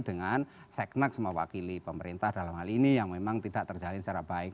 dan seknak sama wakil pemerintah dalam hal ini yang memang tidak terjalin secara baik